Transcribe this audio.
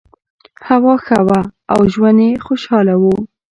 هوا ښه وه او ژوند یې خوشحاله و.